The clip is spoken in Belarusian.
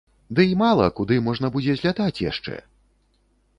Дый мала куды можна будзе злятаць яшчэ?